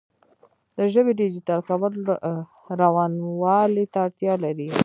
د ژبې ډیجیټل کول روانوالي ته اړتیا لري.